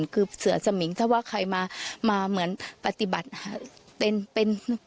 คือเสือสมิงถ้าว่าใครมาเหมือนปฏิบัติเป็น